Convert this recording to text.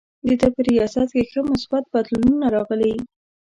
د ده په ریاست کې ښه مثبت بدلونونه راغلي.